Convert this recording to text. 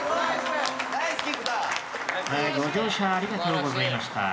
ご乗車ありがとうございました。